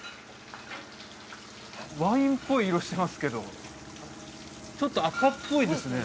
ワインっぽい色してますけどちょっと赤っぽいですね